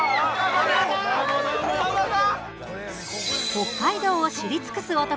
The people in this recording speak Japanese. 北海道を知り尽くす男